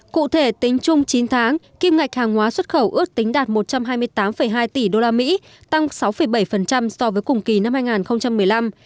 cụ thể tính chung chín tháng kim ngạch hàng hóa xuất khẩu ước tính đạt một trăm hai mươi tám hai tỷ usd tăng sáu bảy so với cùng kỳ năm hai nghìn một mươi năm